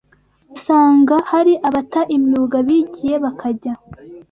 usanga hari abata imyuga bigiye bakajya